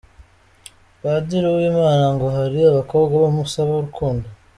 Padiri Uwimana ngo hari abakobwa bamusaba urukundo.